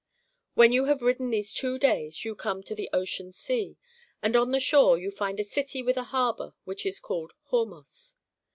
When you have ridden these two days you come to the Ocean Sea, and on the shore you find a city with a harbour which is called Hormos.